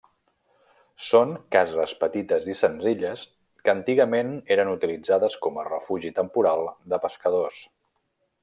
Són cases petites i senzilles que antigament eren utilitzades com a refugi temporal de pescadors.